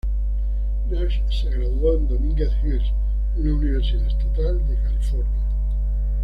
Nash se graduó en Dominguez Hills, una universidad estatal de California.